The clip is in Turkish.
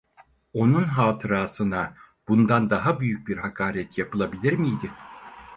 Onun hatırasına bundan daha büyük bir hakaret yapılabilir miydi?